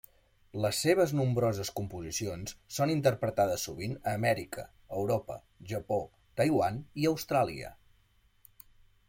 Les seves nombroses composicions són interpretades sovint a Amèrica, Europa, Japó, Taiwan i Austràlia.